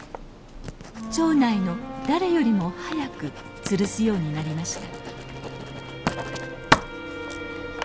町内の誰よりも早くつるすようになりました